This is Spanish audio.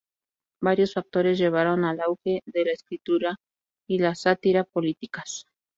Varios factores llevaron al auge de la escritura y la sátira políticas.